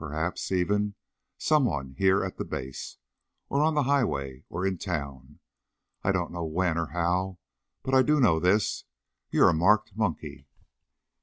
Perhaps, even, someone here at the Base ... or on the highway ... or in town. I don't know when or how but I do know this: You're a marked monkey."